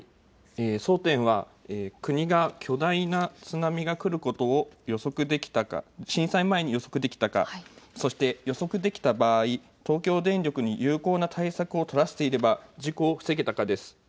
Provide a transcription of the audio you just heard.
争点は国が巨大な津波が来ることを予測できたか、震災前に予測できたか、そして予測できた場合、東京電力に有効な対策を取らせていれば事故を防げたかです。